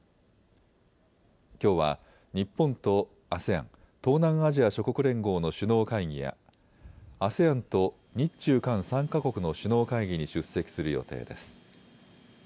きょうは日本とＡＳＥＡＮ・東南アジア諸国連合の首脳会議やＡＳＥＡＮと日中韓３か国の首脳会議に出席する予定です。